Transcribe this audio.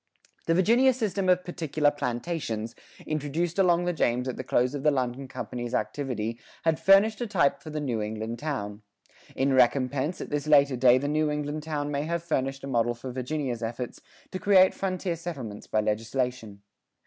[41:1] The Virginia system of "particular plantations" introduced along the James at the close of the London Company's activity had furnished a type for the New England town. In recompense, at this later day the New England town may have furnished a model for Virginia's efforts to create frontier settlements by legislation.